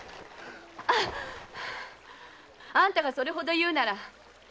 あんたがそれほど言うなら。